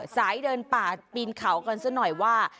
สายเดินป่าปีนเขากันซะหน่อยว่า